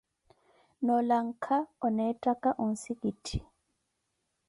Noo lanka, oneettaka onsikitthi.